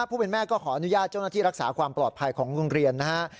ผู้เป็นแม่ก็ขออนุญาตเจ้าหน้าที่รักษาความปลอดภัยของโรงเรียนนะฮะ